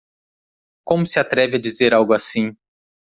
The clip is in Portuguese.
Como se atreve a dizer algo assim?